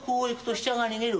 飛車が逃げる。